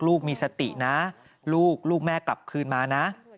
ลูกมีสตินะลูกแม่กลับคืนมานะ